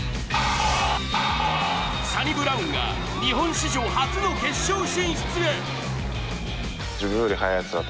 サニブラウンが日本史上初の決勝進出へ。